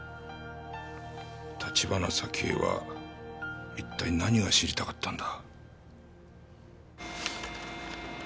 橘沙希江は一体何が知りたかったんだ？